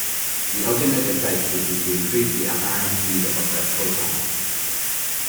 The ultimate effect would be to increase the apparent speed of that photon.